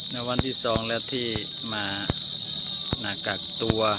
ในวันที่๒แล้วที่มากักตัว